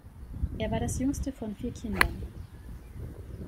Er war das jüngste von vier Kindern.